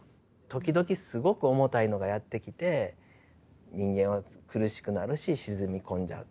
時々すごく重たいのがやって来て人間は苦しくなるし沈み込んじゃう。